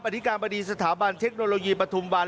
อธิการบดีสถาบันเทคโนโลยีปฐุมวัน